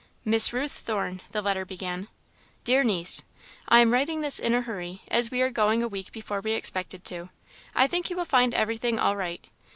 "Miss Ruth Thorne," the letter began, "Dear Niece: "I am writing this in a hurry, as we are going a week before we expected to. I think you will find everything all right.